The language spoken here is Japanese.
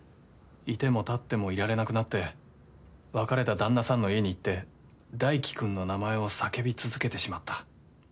いても立ってもいられなくなって別れた旦那さんの家に行って大樹くんの名前を叫び続けてしまった。